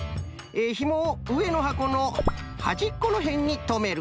えひもをうえのはこのはじっこのへんにとめる。